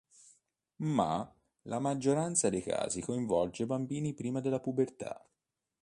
Ma la maggioranza dei casi coinvolge bambini prima della pubertà.